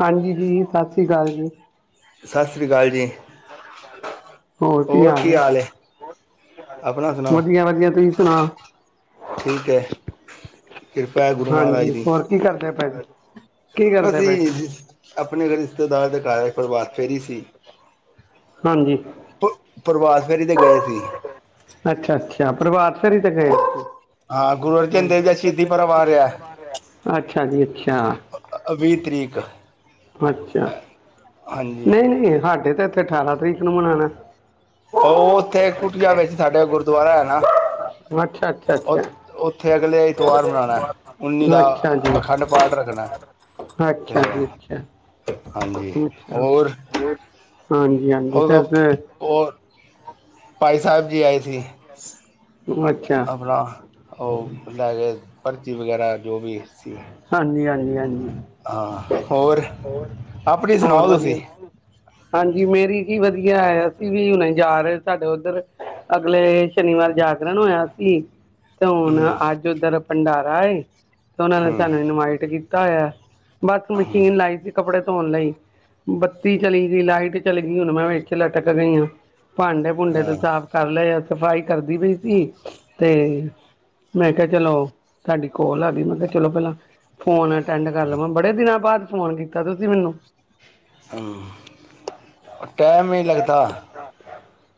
ਹਾਂਜੀ ਜੀ ਸਤਿ ਸ੍ਰੀ ਅਕਾਲ ਜੀ ਸਤਿ ਸ਼੍ਰੀ ਅਕਾਲ ਜੀ ਹੋਰ ਕੀ ਹਾਲ ਏ ਆਪਣਾ ਸੁਣਾਓ, ਤੁਸੀਂ ਸੁਣਾਓ ਠੀਕ ਹੈ ਕਿਰਪਾ ਐ, ਗੁਰੂ ਮਹਾਰਾਜ ਹਾਂਜੀ ਦੀ ਹੋਰ ਕੀ ਕਰਦੇ ਪਏ ਫਿਰ ਅਸੀਂ, ਆਪਣੇ ਰਿਸ਼ਤੇਦਾਰ ਦੇ ਘਾਰ ਪ੍ਰਭਾਤ ਫੇਰੀ ਸੀ ਹਾਂਜੀ ਪ੍ਰਭਾਤ ਫੇਰੀ ਤੇ ਗਏ ਸੀ ਅੱਛਾ-ਅੱਛਾ ਪ੍ਰਭਾਤ ਫੇਰੀ ਤੇ ਗਏ ਸੀ ਹਾਂ ਗੁਰ ਅੱਛਾ ਜੀ ਅੱਛਾ ਵੀਹ ਤਰੀਕ ਅੱਛਾ, ਹਾਂਜੀ ਨਹੀਂ-ਨਹੀਂ ਸਾਡੇ ਤੇ ਇੱਥੇ ਅਠਾਰਾਂ ਤਰੀਕ ਨੂੰ ਮਨਾਉਣਾ ਉਹ ਉੱਥੇ ਕੁਟਿਆ ਵਿੱਚ ਸਾਡੇ ਗੁਰਦੁਆਰਾ ਹੈਨਾ ਅੱਛਾ ਅੱਛਾ ਅੱਛਾ ਉੱਥੇ ਅਗਲੇ ਐਤਵਾਰ ਮਨਾਉਣਾ, ਉੱਨੀ ਦਾ ਅੱਛਾ ਜੀ ਅਖੰਡ ਪਾਠ ਰੱਖਣਾ ਤੇ ਅੱਛਾ ਉਹ ਜ ਅੱਛਾ ਹਾਂਜੀ ਅਾ ਹੋਰ ਹਾਂਜੀ ਹਾਂਜੀ, ਫਿਰ ਤੇ ਔਰ ਭਾਈ ਸਾਹਿਬ ਜੀ ਆਏ ਸੀ ਅੱਛਾ ਆਪਣਾ ਉਹ ਲੈ ਕੇ, ਪਰਚੀ ਵਗੈਰਾ ਜੋ ਵੀ ਸੀ ਹਾਂਜੀ ਹਾਂਜੀ ਹਾਂਜੀ ਹਾਂ ਹੋਰ, ਆਪਣੀ ਹੋਰ ਸੁਣਾਓ ਤੁਸੀਂ ਵਧੀਆ ਹਾਂਜੀ ਮੇਰੀ ਕੀ ਵਧੀਆ ਹੈ, ਅਸੀਂ ਵੀ ਹੁਣੇ ਜਾ ਰਹੇ ਸਾਡੇ ਉੱਧਰ ਅਗਲੇ ਸ਼ਨੀਵਾਰ ਜਾਗਰਣ ਹੋਇਆ ਸੀ ਤੇ ਹੁਣ ਹਮ ਅੱਜ, ਉੱਧਰ ਭੰਡਾਰਾ ਏ ਤੇ ਉਹਨਾਂ ਨੇ ਹਮ ਸਾਨੂੰ ਇਨਵਾਈਟ ਕੀਤਾ ਹੋਇਆ, ਬਸ ਮਸ਼ੀਨ ਲਾਈ ਸੀ ਕੱਪੜੇ ਧੋਣ ਲਈ, ਬੱਤੀ ਚਲੀ ਗਈ, ਲਾਈਟ ਚਲੀ ਗਈ, ਹੁਣ ਮੈਂ ਵੇਚ ਲਟਕ ਗਈ ਹਾਂ ਭਾਂਡੇ ਭੂੰਡੇ ਤੇ ਸਾਫ਼ ਕਰ ਲਏ ਆ, ਸਫ਼ਾਈ ਕਰਦੀ ਪਈ ਸੀ ਅਤੇ ਮੈਂ ਕਿਹਾ ਚਲੋ, ਤੁਹਾਡੀ ਕਾੱਲ ਆ ਗਈ ਮੈਂ ਚਲੋ ਪਹਿਲਾਂ ਫੋਨ ਅਟੈਂਡ ਕਰ ਲਵਾਂ, ਬੜੇ ਦਿਨਾਂ ਬਾਅਦ ਫੋਨ ਕੀਤਾ ਤੁਸੀਂ ਮੈਨੂੰ ਹੂ, ਟਾਈਮ ਈ ਲਗਦਾ,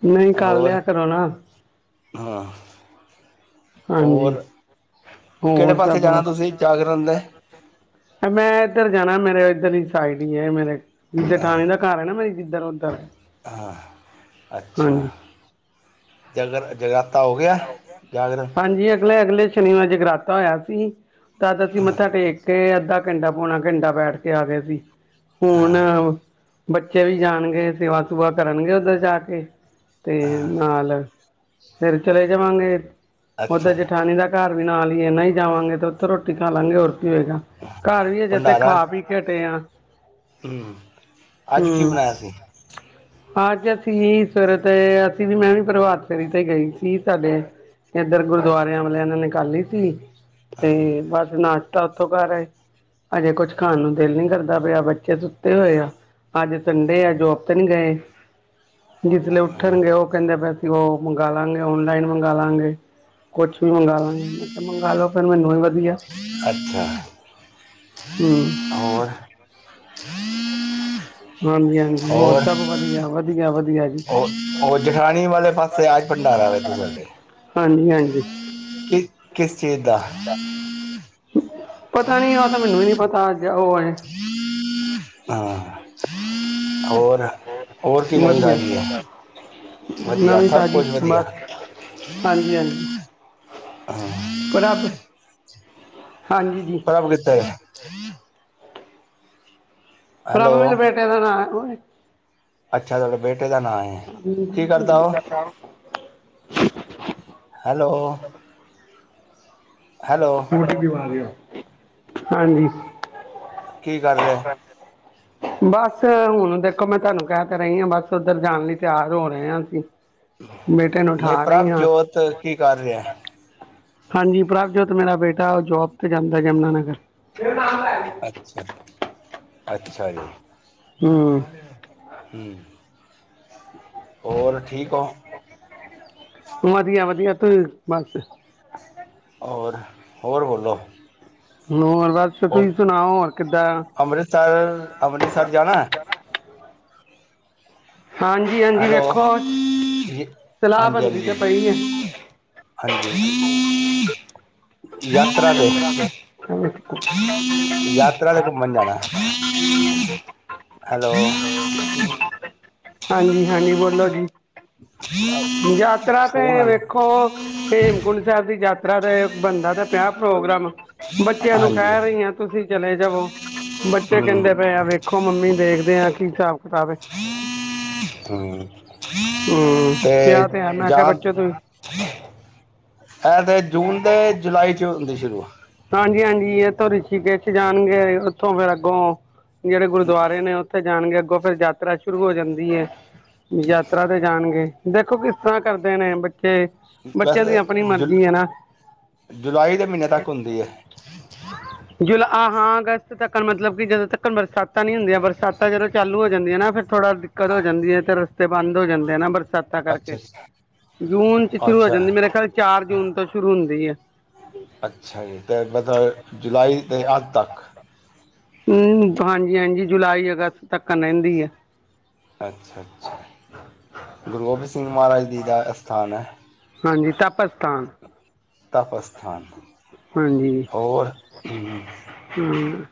ਨਹੀਂ ਕਰ ਹੋਰ ਲਿਆ ਕਰੋ ਨਾ ਹਾਂ ਹਾਂਜੀ ਹੋਰ, ਕਿਹੜੇ ਹੋਰ ਪਾਸੇ ਸਭ ਜਾਣਾ ਤੁਸੀਂ ਜਾਗਰਨ ਦੇ ਮੈਂ ਇੱਧਰ ਜਾਣਾ, ਮੇਰੇ ਇੱਧਰ ਦੀ ਸਾਈਡ ਹੀ ਹੈ, ਮੇਰੇ ਹਾਂ ਜੇਠਾਣੀ ਦਾ ਘਰ ਐ ਨਾ ਮੇਰੀ ਜਿੱਧਰ ਉੱਧਰ ਹਾਂ, ਅੱਛਾ ਹਾਂਜੀ ਚਲੋ ਜਗ ਜਗਰਾਤਾ ਹੋ ਗਿਆ ਜਾਗਰਣ ਹਾਂਜੀ ਅਗਲੇ-ਅਗਲੇ ਸ਼ਨੀਵਾਰ ਜਗਰਾਤਾ ਹੋਇਆ ਸੀ, ਤਦ ਅਸੀਂ ਮੱਥਾ ਟੇਕ ਕੇ ਅੱਧਾ ਘੰਟਾ ਪਾਉਣਾ ਘੰਟਾ ਬੈਠ ਕੇ ਆ ਗਏ ਸੀ, ਹੁਣ ਹਾਂ ਬੱਚੇ ਵੀ ਜਾਣਗੇ, ਸੇਵਾ ਸੁਵਾ ਕਰਨਗੇ ਓਦਰ ਜਾ ਕੇ ਤੇ ਹਾਂ ਨਾਲ ਫਿਰ ਚਲੇ ਜਾਵਾਂਗੇ, ਅੱਛਾ ਓਦਰ ਜਠਾਣੀ ਦਾ ਘਰ ਵੀ ਨਾਲ ਈ ਐ ਨਹੀਂ ਜਾਵਾਂਗੇ ਤੇ ਉੱਥੋ ਰੋਟੀ ਖਾ ਲਾਗੇ ਹੋਰ ਕੀ ਹੋਏਗਾ ਘਰ ਵੀ ਐ ਜਿੱਥੇ ਭੰਡਾਰਾ ਖਾ ਪੀ ਹੇਟੇ ਆ [inaudible] ਅੱਜ ਕੀ ਹੂੰ ਬਣਾਇਆ ਸੀ? ਅੱਜ ਅਸੀਂ ਸਵੇਰੇ ਤੇ ਅਸੀਂ ਵੀ ਮੈਂ ਵੀ ਪ੍ਰਭਾਤ ਫੇਰੀ ਤੇ ਗਈ ਸੀ ਸਾਡੇ ਐਧਰ ਗੁਰਦਬਾਰਿਆਂ ਵਾਲਿਆਂ ਨੇ ਨਿਕਾਲੀ ਸੀ ਤੇ ਬਸ ਨਾਸ਼ਤਾ ਉੱਥੋਂ ਘਰ ਆਏ, ਅਜੇ ਕੁੱਛ ਖਾਣ ਨੂੰ ਦਿਲ ਨੀ ਕਰਦਾ ਪਿਆ ਬੱਚੇ ਤੇ ਹੋਏ ਆ ਅੱਜ ਸੰਡੇ ਐ ਜੋਬ ਤੇ ਨੀ ਗਏ। ਜਿਸ ਲੇ ਉੱਠਣ ਗਏ ਓ- ਕਹਿੰਦੇ ਵੀ ਅਸੀਂ ਓਹ ਮੰਗਾਲਾਂਗੇ ਓਨਲਾਈਨ ਮੰਗਾਲਾਂਗੇ ਕੁਛ ਮੰਗਾਲਾਂਗੇ ਮੈਂ ਕਿਹਾ ਮੰਗਾ ਲੋ ਫਿਰ ਮੈਨੂੰ ਹੀ ਵਧੀਆ ਅੱਛਾ ਹੂੰ ਹੋਰ [unintelligible] ਹਾਂਜੀ-ਹਾਂਜੀ ਹੋਰ ਸਭ ਵਧੀਆ-ਵਧੀਆ- ਵਧੀਆ ਜੀ [inaudible] ਉਹ-ਉਹ ਜਠਾਣੀ ਵਾਲੇ ਪਾਸੇ ਆਜ ਭੰਡਾਰਾ ਵ ਤੁਹਾਡੇ ਜੀ ਹਾਂਜੀ ਕਿਸ ਚੀਜ਼ ਦਾ ਪਤਾ ਨੀ ਆ ਤਾਂ ਮੈਨੂੰ ਵੀ ਨੀ ਪਤਾ ਅੱਜ ਓ ਆ। [inaudible] [inaudible] ਹੋਰ ਹੋਰ ਕੀ [inaudible] ਨਵੀਂ ਵਧੀਆ ਤਾਜੀ ਹੈ [inaudible] ਵਧੀਆ ਨਵੀਂ ਸਭ ਤਾਜ਼ੀ ਕੁਝ ਵਧੀਆ ਬਸ ਹਾਂਜੀ-ਹਾਂਜੀ। ਹਾਂ ਪਰ ਆਪ [inaudible] ਪ੍ਰਭ ਕਿੱਥੇ ਐ? [inaudible] ਪ੍ਰਭ ਹੈਲੋ ਮੇਰੇ ਬੇਟੇ ਦਾ ਨਾਂ ਐ ਓਏ ਅੱਛਾ, ਤੁਆਡੇ ਬੇਟੇ ਦਾ ਨਾਂ ਏ ਕੀ ਕਰਦਾ ਓ ਹੈਲੋ ਹੈਲੋ [unintelligible] ਹਾਂਜੀ। ਕੀ ਕਰ ਰਿਹਾ [inaudible] ਬਸ ਹੁਣ ਦੇਖੋ, ਮੈਂ ਤੁਹਾਨੂੰ ਕਹਿ ਤਾਂ ਰਹੀ ਆ। ਬਸ ਓਦਰ ਜਾਣ ਲਈ ਤਿਆਰ ਹੋ ਰਹੇ ਆ। ਅਸੀਂ ਬੇਟੇ ਨੂੰ ਨਹੀਂ ਠਾ ਰਹੀ ਹਾਂ ਪ੍ਰਭਜੋਤ ਕੀ ਕਰ ਰਿਹਾ ਹਾਂਜੀ ਪ੍ਰਭਜੋਤ ਮੇਰਾ ਬੇਟਾ ਓ ਜੋਬ ਤੇ ਜਾਂਦਾ ਯਮੁਨਾ ਨਗਰ ਅੱਛਾ-ਅੱਛਾ ਜੀ ਹੂੰ [inaudible] ਹੂੰ [unintelligible] ਹੋਰ ਠੀਕ ਹੋ। ਵਧੀਆ-ਵਧੀਆ ਤੁਸੀ ਬਸ। ਹੋਰ-ਹੋਰ ਬੋਲੋ। ਹੋਰ, ਬਸ ਤੁਸੀਂ ਸੁਣਾਓ ਹੋਰ ਕਿੱਦਾਂ। ਅੰਮ੍ਰਿਤਸਰ-ਅੰਮ੍ਰਿਤਸਰ ਜਾਣਾ ਐ? ਹਾਂਜੀ-ਹਾਂਜੀ ਹੈਲੋ ਵੇਖੋ ਜੀ ਸਲਾਹ [inaudible] ਹਾਂਜੀ ਬਣਦੀ ਤੇ ਹਾਂਜੀ ਪਈ ਆ। ਹਾਂਜੀ ਯਾਤਰਾ ਤੇ। [unintelligible] ਯਾਤਰਾ ਤੇ ਘੁੰਮਣ ਜਾਣਾ ਐ ਹੂੰ। [inaudible] ਹੈਲੋ। ਹਾਂਜੀ-ਹਾਂਜੀ ਬੋਲੋ। ਜੀ ਅ ਫੋਨ ਆ ਰਿਹਾ। [inaudible] ਹੇਮਕੁੰਡ ਸਾਹਿਬ ਦੀ ਯਾਤਰਾ ਤੇ ਬਣਦਾ ਤਾਂ ਪਿਆ ਪ੍ਰੋਗਰਾਮ। ਬੱਚਿਆਂ ਨੂੰ ਹਾਂਜੀ ਕਹਿ ਰਹੀ ਆ ਤੁਸੀਂ ਚਲੇ ਜਾਵੋ ਬੱਚੇ ਹਮ ਕਹਿੰਦੇ ਪਏ ਆ ਵੇਖ। ਦੇਖੋ ਮੰਮੀ ਦੇਖਦੇ ਆਂ ਕੀ ਹਿਸਾਬ ਕਿਤਾਬ ਏ। ਹਾਂ ਤੇ। ਹੂੰ ਤੇ ਕਿਹਾ ਹੈ ਮੈਂ ਕਿਹਾ ਜਾਣ। ਬੱਚੋ ਤੁਸੀਂ ਇਹ ਤੇ ਜੂਨ ਤੇ ਜੁਲਾਈ ਚ ਹੁੰਦੀ ਸ਼ੁਰੂ। ਹਾਂਜੀ ਹਾਂਜੀ ਯੇ ਤੋਂ ਰਿਸ਼ੀਕੇਸ਼ ਜਾਣਗੇ ਉੱਥੋਂ ਫੇਰ ਅੱਗੋਂ। ਜਿਹੜੇ ਗੁਰਦੁਆਰੇ ਨੇ ਉੱਥੇ ਜਾਣਗੇ ਅੱਗੋਂ। ਫਿਰ ਯਾਤਰਾ ਸ਼ੁਰੂ ਹੋ ਜਾਂਦੀ ਹੈ। ਯਾਤਰਾ ਤੇ ਜਾਣਗੇ ਦੇਖੋ ਕਿਸ ਤਰ੍ਹਾਂ ਕਰਦੇ ਨੇ। ਤੇ ਬੱਚਿਆਂ ਦੀ ਵੈਸੇ ਆਪਣੀ ਜੁ ਮਰਜ਼ੀ ਹੈ ਨਾ। ਜੁਲਾਈ ਦੇ ਮਹੀਨੇ ਤੱਕ ਹੁੰਦੀ ਹੈ ਹਾਂ। ਜੁਲਾ ਹਾਂ ਅਗਸਤ ਤੱਕ ਮਤਲਬ ਕਿ ਜਦੋਂ ਤੱਕ ਬਰਸਾਤਾਂ ਨੀ ਹੁੰਦੀਆਂ ਬਰਸਾਤਾਂ ਜਦੋਂ ਚਾਲੂ ਹੋ ਜਾਂਦੀਆਂ ਨਾ ਫਿਰ। ਥੋੜਾ ਦਿੱਕਤ ਹੋ ਜਾਂਦੀ ਹੈ ਤੇ ਰਸਤੇ ਬੰਦ ਹੋ ਜਾਂਦੇ ਨਾ। ਬਰਸਾਤਾਂ ਕਰਕੇ ਅੱਛਾ ਅੱਛਾ ਜੂਨ ਚ ਸ਼ੁਰੂ ਹੋ ਅੱਛਾ ਜਾਂਦੀ ਹੈ। ਮੇਰਾ ਖਿਆਲ ਚਾਰ ਜੂਨ ਤੋਂ ਸ਼ੁਰੂ ਹੁੰਦੀ ਹੈ। ਅੱਛਾ ਜੀ ਤੇ ਇਹ ਮਤਲਬ ਜੁਲਾਈ ਦੇ ਅੱਧ ਤੱਕ। ਹੂੰ ਹਾਂਜੀ ਹਾਂਜੀ ਜੁਲਾਈ ਅਗਸਤ ਤੱਕ ਰਹਿੰਦੀ ਆ। ਅੱਛਾ ਅੱਛਾ ਗੁਰੂ ਗੋਬਿੰਦ ਸਿੰਘ ਮਹਾਰਾਜ ਜੀ ਦਾ ਅਸਥਾਨ ਹੈ। ਹਾਂਜੀ ਤਾਪ ਸਥਾਨ। ਤਾਪ ਸਥਾਨ। ਹਾਂਜੀ ਹਾਂ।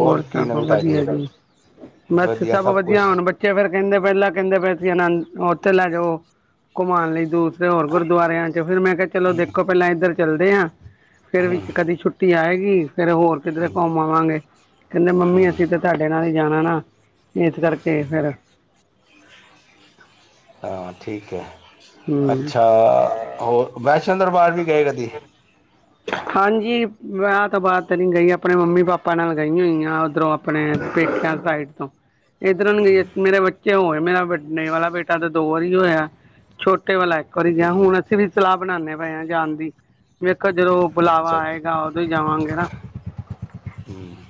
ਹੋਰ ਕੀ ਸਭ ਨਵੀਂ ਤਾਜ਼ੀ ਹੈ ਵਧੀਆ ਜੀ ਬਸ ਵਧੀਆ ਸਭ ਵਧੀਆ ਕੁਛ ਹੁਣ ਬੇ। ਫੇਿਰ ਕਹਿੰਦੇ ਪਹਿਲਾਂ ਕਹਿੰਦੇ ਅਸੀਂ ਆਨੰਦ ਉੱਥੇ ਲੈ ਜਾਓ ਘੁਮਾਉਣ ਲਈ ਦੂਰ। ਹੋਰ ਗੁਰਦੁਆਰਿਆਂ ਚ ਫਿਰ ਮੈਂ ਕਿਹਾ ਚਲੋ ਦੇਖੋ ਪਹਿਲਾਂ ਇੱਧਰ ਚੱਲਦੇ ਹਾਂ ਫਿਰ ਹੂੰ ਵਿੱਚ ਕਦੀ ਛੁੱਟੀ। ਆਏਗੀ ਫਿਰ ਹੋਰ ਕਿਧਰੇ ਹੂੰ ਘੁੰਮ ਆਵਾਂਗੇ। ਕਹਿੰਦੇ ਮੰਮੀ ਹੂੰ ਅਸੀਂ ਤੇ ਤੁਹਾਡੇ ਨਾਲ ਹੀ ਜਾਣਾ ਨਾ ਇਸ ਕਰਕੇ ਫੇਿਰ। ਹਾਂ ਠੀਕ ਹੈ। ਹੂੰ ਅੱਛਾ ਹੋਰ ਵੈਸ਼ਨੋ ਦਰਬਾਰ ਵੀ ਗਏ ਕਦੀ। ਹਾਂਜੀ ਵਿਆਹ ਤੋਂ ਬਾਅਦ ਤਾਂ ਨਹੀਂ ਗਈ ਆਪਣੇ ਮੰਮੀ ਪਾਪਾ ਨਾਲ ਗਈ ਹੋਈ ਆ ਉੱਧਰੋਂ। ਆਪਣੇ ਪੇਕਿਆ ਸਾਈਡ ਤੋਂ ਇੱਧਰੋਂ ਨਹੀਂ ਗਏ ਇੱਥੇ ਮੇਰੇ ਬੱਚੇ। ਕਿਉਂ ਉਹ ਮੇਰਾ ਵੱਡੇ ਵਾਲਾ ਬੇਟਾ ਤੇ ਦੋ ਵਾਰੀ ਗਈਆ ਛੋਟੇ ਵਾਲਾ ਇੱਕ ਵਾਰੀ ਗਿਆ ਹੁਣ ਅਸੀਂ ਵੀ ਸਲਾਹ। ਬਣਾਉਂਦੇ ਪਏ ਆ ਜਾਣ ਦੀ ਵੇਖੋ ਜਦੋਂ ਬੁਲਾਵਾ ਅੱਛਾ ਆਏਗਾ ਉਦੋਂ ਹੀ ਜਾਵਾਂਗੇ ਨਾ। ਹੂੰ।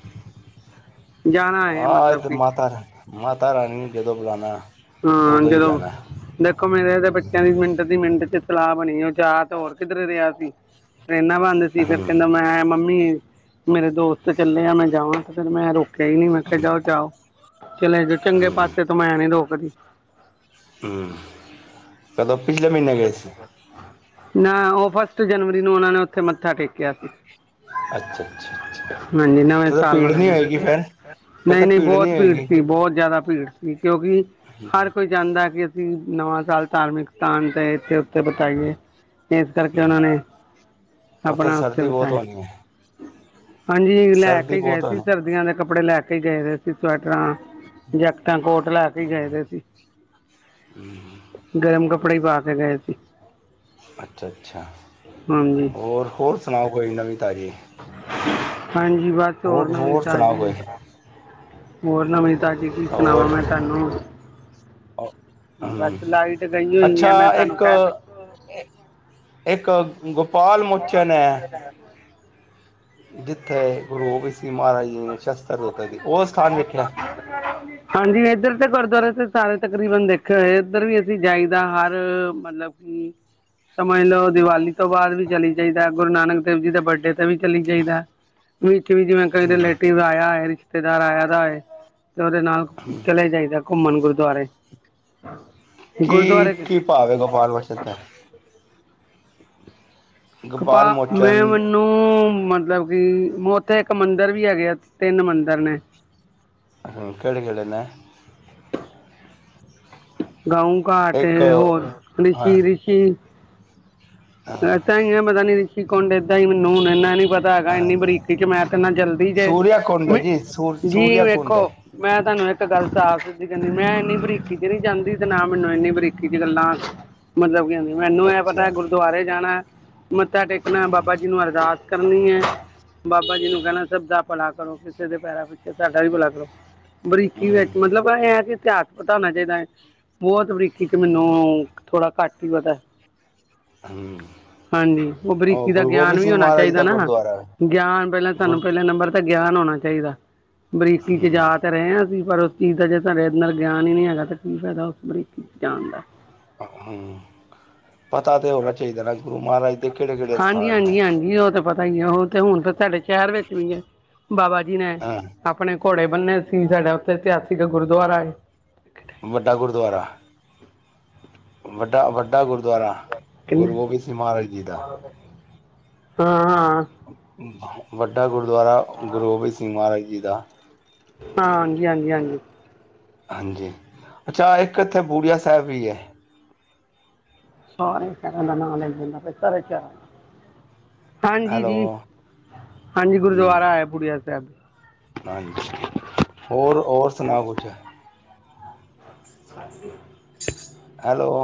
ਜਾਣਾ ਹੈ ਆਹ ਇਹ ਮਤਲਬ ਤਾਂ ਕਿ ਮਾਤਾ ਨੇ ਮਾਤਾ ਰਾਣੀ ਜਦੋਂ ਬੁਲਾਉਣਾ। ਹਾਂ ਉਦੋਂ ਹੀ ਜਦੋਂ ਜਾਣਾ ਦੇਖੋ ਮੇਰੇ ਤੇ ਬੱਚਿਆਂ ਦੀ ਮਿੰਟ ਦੀ ਮਿੰਟ ਚ। ਸਲਾਹ ਬਣੀ ਹੈ। ਉਹ ਜਾਂ ਤਾਂ ਹੋਰ ਕਿੱਧਰੇ ਰਿਹਾ ਸੀ। ਟਰੇਨਾਂ ਬੰਦ ਸੀ ਫੇਰ ਹੂੰ ਕਹਿੰਦਾ ਮੈਂ ਮੰਮੀ। ਮੇਰੇ ਦੋਸਤ ਚੱਲੇ ਆ ਮੈਂ ਜਾਵਾਂ ਤੇ ਫਿਰ ਮੈਂ ਰੋਕਿਆ ਹੀ ਨ ਮੈਂ ਕਿਹਾ ਜਾਓ ਚਓ। ਚਲੇ ਜੋ ਚੰਗੇ ਪਾਸੇ ਤੋ ਮੈਂ ਨੀ ਰੋਕਦੀ। ਹਮ ਕਦੋਂ ਪਿਛਲੇ ਮਹੀਨੇ ਗਏ ਸੀ। ਨਾ ਉਹ ਫਸਟ ਜਨਵਰੀ ਨੂੰ ਉਹਨਾਂ ਨੇ ਉੱਥੇ ਮੱਥਾ ਟੇਕਿਆ ਸੀ। ਅੱਛਾ ਅੱਛਾ ਅੱਛਾ ਮੰਜੀ ਨਵੇਂ ਤੇ ਤਾਂ ਸਾਲ ਭੀੜ ਵਲੇ ਨਹੀਂ ਦਿਨ। ਹੋਏਗੀ ਫੇਰ ਫਿਰ ਨਹੀਂ ਤਾਂ ਨਹੀਂ ਬਹੁਤ ਭੀੜ ਹੋਏਗੀ ਸੀ ਬਹੁਤ ਜ਼ਿਆਦਾ ਭੀੜ। ਕਿਉਂਕਿ ਹਰ ਕੋਈ ਚਾਹੁੰਦਾ ਕਿ ਅਸੀਂ ਨਵਾਂ ਸਾਲ ਧਾਰਮਿਕ। ਸਥਾਨ ਤੇ ਇੱਥੇ ਉੱਤੇ ਬਿਤਾਇਏ। ਇਸ ਕਰਕੇ ਉਹਨਾਂ ਨੇ ਆਪਣਾ ਉੱਥੇ ਸਰਦੀ ਬਹੁਤ ਬਿਤਾਆ। ਹੋਣੀ ਹੈ ਹਾਂਜੀ ਲੈ ਸਰਦੀ ਕੇ ਗਏ ਬਹੁਤ ਸੀ ਹੋਣੀ ਸਰਦੀਆਂ ਦੇ ਕੱਪੜੇ ਲੈ ਕੇ ਗਏ ਸੀ ਸਵੈਟਰਾਂ। ਜੈਕਟਾਂ ਕੋਟ ਲੈ ਕੇ ਗਏ ਦੇ ਸੀ ਗਰਮ ਕੱਪੜੇ। ਕੱਪੜੇ ਪਾ ਕੇ ਗਏ ਸੀ। ਅੱਛਾ ਅੱਛਾ ਹਾਂਜੀ ਹੋਰ ਹੋਰ ਸੁਣਾਓ ਕੋਈ ਨਵੀਂ ਤਾਜ਼ੀ। ਹਾਂਜੀ ਬਸ ਹੋਰ ਨਵੀ ਤਾਜੀ। ਹੋਰ ਨਵੀਂ ਤਾਜ਼ੀ ਕੀ ਸੁਣਾਵਾਾਂ ਹੋਰ ਮੈਂ ਤੁਹਾਨੂੰ। ਹਮ ਬਸ ਲਾਈਟ ਗਈ ਹੋਈ ਅੱਛਾ ਹੈ ਮੈਂ ਤੁਹਾਨੂੰ ਇੱਕ। ਕਹਿ ਤਾ ਇੱਕ ਗੋਪਾਲ ਮੋਚਨ ਹੈ। ਹ। ਜਿੱਥੇ ਗੁਰੂ ਗੋਬਿੰਦ ਜੀ ਮਹਾਰਾਜ ਜੀ ਨੇ ਸ਼ਸਤਰ ਦੋਤਰ ਉਹ ਸਥਾਨ ਵੇਖਿਆ। [unintelligible] ਹਾਂਜੀ ਇੱਧਰ ਤੇ ਗੁਰਦੁਆਰੇ ਤੇ ਸਾਰੇ ਤਕਰੀਬਨ ਦੇਖੇ ਹੋਏ ਇੱਧਰ ਵੀ ਅਸੀਂ ਜਾਈਦਾ ਹਰ ਮਤਲਬ। ਸਮਝ ਲਓ ਦੀਵਾਲੀ ਤੋਂ ਬਾਅਦ ਵੀ ਚਲੀ ਜਾਾਹੀਦਾ, ਗੁਰੂ ਨਾਨਕ ਦੇਵ ਜੀ ਦੇ ਵਰਡੇ। ਵੀ ਚਲੀ ਜਾਈ ਦਾ ਵਿੱਚ ਵਿੱਚ ਜਿਵੇਂ ਕਈ ਹਮ ਰਿਲੇਟਿਵ ਆਇਆ ਹੋਏ। ਰਿਸ਼ਤੇਦਾਰ ਆਇਆ ਦਾ ਏ ਤੇ ਉਹਦੇ ਨਾਲ। ਹਮ। ਚਲੇ ਜਾਈਦਾ ਘੁੰਮਣ ਗੁਰਦੁਆਰੇ। ਕੀ ਗੁਰਦੁਆਰੇ ਕੀ ਭਾਵ ਹੈ ਗੋਪਾਲ ਵੋਚਨ ਦਾ ਕਿਪਾ ਗੋਪਾਲ ਮੋਚਨ ਮੈਂ ਮੈਨੂੰ। ਮਤਲਬ ਕਿ ਉੱਥੇ ਇੱਕ ਮੰਦਿਰ ਵੀ ਹੈਗੇ ਆ ਤਿੰਨ ਮੰਦਿਰ ਨੇ। ਅ ਕਿਹੜੇ ਕਿਹੜੇ ਨੇ ਗਾਊ ਘਾਟ ਇੱਕ ਹੋਰ ਹਾਂ ਰਿਸ਼ੀ ਰਿਸ਼ੀ ਹਾਂ, ਪਤਾ ਨਹੀ ਮਤਲਬ ਰਿਸੀ ਕੂੰਡ ਮੈਨੂੰ ਹੁਣ ਏਨਾ ਨਹੀਂ ਪਤਾ ਹੈਗਾ ਇੰਨੀ ਹਾਂਜੀ ਬਰੀਕੀ ਚ ਮੈਂ ਤੇ ਜਲਦੀ ਚੇ ਸੂਰਿਆ ਕੁੰਡ ਹੈ ਜੀ ਸੂਰ ਜੀ ਸੂਰਿਆ ਕੁੰਡ ਵੇਖੋ ਹੈ ਮੈਂ ਤੁਹਾਨੂੰ ਇੱਕ ਗੱਲ ਸਾਫ਼ ਸੁਥਰੀ ਕਹਿਣੀ ਮੈਂ ਇੰਨੀ ਬਰੀਕੀ ਚ ਨੀ ਜਾਂਦੀ ਤੇ ਨਾ ਮੈਨੂੰ ਇੰਨੀ ਬਰੀਕੀ ਚ ਗੱਲਾਂ ਮਤਲਬ ਕੀ ਆਂਦੀ ਮੈਨੂੰ ਇਹ ਪਤਾ ਅੱਛਾ ਗੁਰਦੁਆਰੇ ਜਾਣਾ ਮੱਥਾ ਟੇਕਣਾ ਬਾਬਾ ਜੀ ਨੂੰ ਅਰਦਾਸ ਕਰਨੀ ਹੈ ਬਾਬਾ ਜੀ ਨੂੰ ਕਹਿਣਾ ਸਭ ਦਾ ਭਲਾ ਕਰੋ ਕਿਸੇ ਦੇ ਪੈਰਾਂ ਪਿੱਛੇ ਸਾਡਾ ਵੀ ਭਲਾ ਕਰੋ ਬਰੀਕੀ ਹਮ ਵਿੱਚ ਮਤਲਬ ਇਹ ਕਿ ਇਤਿਹਾਸ ਪਤਾ ਹੋਣਾਂ ਚਾਹੀਦਾ ਬਹੁਤ ਬਰੀਕੀ ਚ ਮੈਨੂੰ ਥੋੜਾ ਘੱਟ ਹੀ ਪਤਾ ਹਮ ਹਾਂਜੀ ਉਹ ਬਰੀਕੀ ਦਾ ਗੁਰੂ ਗਿਆਨ ਗੋਬਿੰਦ ਵੀ ਸਿੰਘ ਹੋਣਾ ਮਹਾਰਾਜ ਚਾਹੀਦਾ ਦਾ ਨਾ, ਗੁਰਦੁਆਰਾ ਹੈ। ਗਿਆਨ ਪਹਿਲਾਂ ਤੁਹਾਨੂੰ ਗੁਰ ਪਹਿਲਾਂ ਨੰਬਰ। ਤਾਂ ਗਿਆਨ ਹੋਣਾ ਚਾਹੀਦਾ ਬਰੀਕੀ ਚ ਜਾ ਹਮ ਤਾਂ ਰਹੇ, ਅਸੀ ਪਰ। ਚੀਜ਼ ਦਾ ਸਾਡੇ ਅੰਦਰ ਗਿਆਨ ਹੀ ਨਹੀਂ ਹੈਗਾ, ਤਾਂ ਕੀ ਫਾਇਦਾ ਉਸ ਬਰੀਕੀ 'ਚ ਜਾਣ ਦਾ। ਅਹਮ। ਦੇ ਕਿਹੜੇ ਕਿਹੜੇ ਹਾਂਜੀ ਸਥਾਨ ਨੇ ਹਾਂਜੀ ਹਾਂਜੀ ਉਹ ਤੇ ਪਤਾ ਹੀ ਆ ਉਹ ਤੇ ਹੁਣ ਫ ਤੁਹਾਡੇ। ਸ਼ਹਿਰ ਵਿੱਚ ਵੀ ਹੈ ਬਾਬਾ ਜੀ ਨੇ। ਹਾਂ ਆਪਣੇ ਘੋੜੇ ਬੰਨੇ ਸੀ ਸਾਡਾ ਉੱਥੇ ਇਤਿਹਾਸਿਕ ਗੁਰਦੁਆਰਾ ਹੈਏ। ਵੱਡਾ ਗੁਰਦੁਆਰਾ। ਵੱਡਾ ਵੱਡਾ ਗੁਰਦੁਆਰਾ ਕਿੰਨੇ ਗੁਰੂ ਗੋਬਿੰਦ ਸਿੰਘ ਮਹਾਰਾਜ ਜੀ ਦਾ। ਹਾਂ ਹਾਂ। ਵੱਡਾ ਗੁਰਦੁਆਰਾ ਗੁਰੂ ਗੋਬਿੰਦ ਸਿੰਘ ਮਹਾਰਾਜ ਜੀ ਦਾ। ਹਾਂ ਹਾਂਜੀ ਹਾਂਜੀ ਹਾਂਜੀ। ਹਾਂਜੀ ਅੱਛਾ ਇੱਕ ਇੱਥੇ ਬੂੜੀਆ ਸਾਹਿਬ ਵੀ ਹੈ। ਸਾਰੇ ਸ਼ਹਿਰਾਂ ਦਾ ਨਾ ਲੈਂਦੇ ਮੈਂ ਕਿਹਾ ਸਾਰੇ ਸ਼ਹਿਰਾ ਦਾ ਹਾਂਜੀ ਹੈਲੋ ਜੀ ਹਾਂਜੀ ਹਮ ਗੁਰਦੁਆਰਾ ਹੈ ਬੂੜੀਆ ਸਾਹਿਬ ਹਾਂਜੀ ਹੋਰ ਹੋਰ ਸੁਣਾ ਕੁਛ ਹੈਲੋ